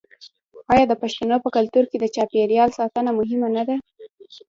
آیا د پښتنو په کلتور کې د چاپیریال ساتنه مهمه نه ده؟